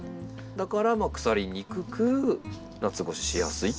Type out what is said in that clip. だから腐りにくく夏越ししやすいと。